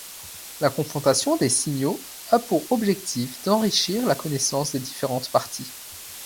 La confrontation des signaux a pour objectif d'enrichir la connaissance des différentes parties.